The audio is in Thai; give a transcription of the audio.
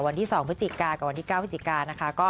วันที่๒พฤศจิกากับวันที่๙พฤศจิกานะคะ